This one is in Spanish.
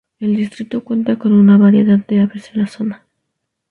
El distrito cuenta con una variedad de aves en la zona.